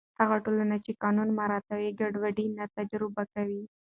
هغه ټولنه چې قانون مراعتوي، ګډوډي نه تجربه کوي.